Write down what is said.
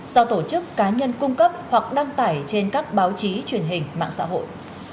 do tổ chức cá nhân cung cấp hoặc đăng tải trên các báo chí truyền hình mạng xã hội